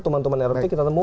tuman tuman erotik kita temukan